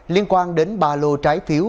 liên quan đến ba lô trái phiếu